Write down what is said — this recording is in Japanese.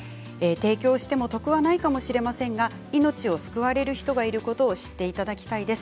提供しても得はないかもしれませんが命を救われる人がいることを知っていただきたいです。